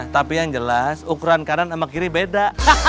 tapi yang jelas ukuran kanan sama kiri beda